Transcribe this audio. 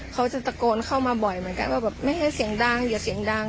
เขาจะตะโกนเข้ามาบ่อยเหมือนกันว่าแบบไม่ให้เสียงดังอย่าเสียงดัง